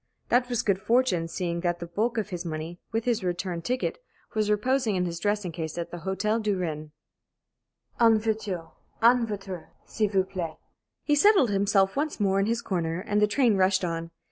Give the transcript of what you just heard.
That was good fortune, seeing that the bulk of his money, with his return ticket, was reposing in his dressing case at the Hôtel du Rhin. "En voiture! En voiture, s'il vous plaît!" He settled himself once more in his corner, and the train rushed on.